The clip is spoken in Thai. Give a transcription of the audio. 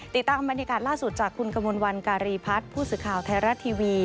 ติดตามบรรยากาศล่าสุดจากคุณกมลวันการีพัฒน์ผู้สื่อข่าวไทยรัฐทีวี